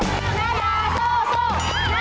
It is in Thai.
ปลอดภัยปลอดภัย